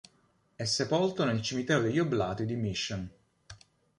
È sepolto nel cimitero degli oblati di Mission.